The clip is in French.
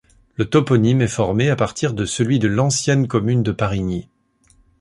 Le toponyme est formé à partir de celui de l'ancienne commune de Parigny.